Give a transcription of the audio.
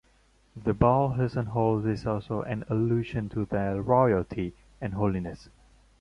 The ball her son holds is also an allusion to their royalty and holiness.